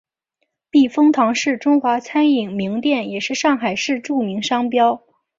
避风塘是中华餐饮名店也是上海市著名商标。